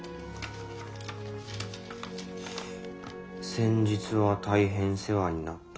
「先日は大変世話になった。